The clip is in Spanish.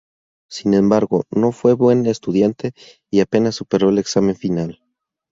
Sin embargo, no fue buen estudiante y apenas superó el examen final.